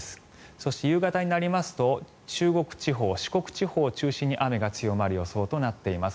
そして、夕方になりますと中国地方、四国地方を中心に雨が強まる予想となっています。